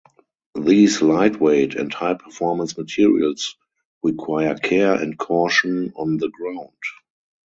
These lightweight and high performance materials require care and caution on the ground.